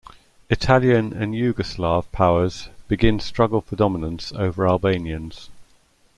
Italian and Yugoslav powers begin struggle for dominance over Albanians.